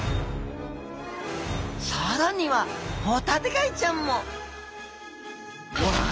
更にはホタテガイちゃんもわあ！